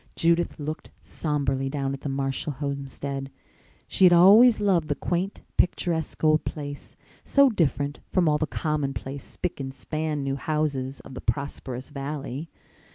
Judith looked sombrely down at the Marshall homestead. She had always loved the quaint, picturesque old place, so different from all the commonplace spick and span new houses of the prosperous valley.